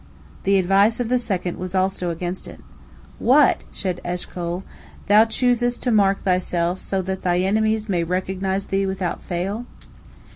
The advice of the second was also against it. "What," said Eshcol, "thou choosest to mark thyself so that thy enemies may recognize thee without fail?"